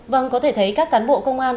vâng có thể thấy các cán bộ công an